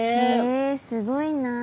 へえすごいなあ。